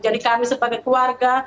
jadi kami sebagai keluarga